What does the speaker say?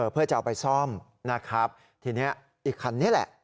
เพื่อจะเอาไปซ่อมนะครับทีนี้อีกคันนี้แหละ